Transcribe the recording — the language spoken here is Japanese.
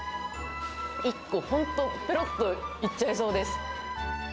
１個、本当、ぺろっといっちゃいそうです。